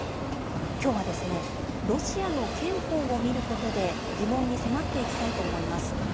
きょうはですね、ロシアの憲法を見ることで、疑問に迫っていきたいと思います。